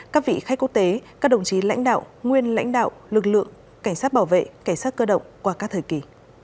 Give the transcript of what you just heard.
các vị khách quốc tế các đồng chí lãnh đạo nguyên lãnh đạo lực lượng cảnh sát bảo vệ cảnh sát cơ động qua các thời kỳ